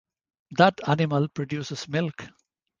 That animal produces milk.